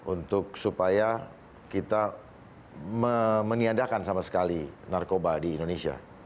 untuk supaya kita meniadakan sama sekali narkoba di indonesia